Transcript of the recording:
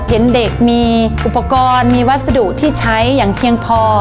เห็นเด็กมีอุปกรณ์มีวัสดุที่ใช้อย่างเพียงพอ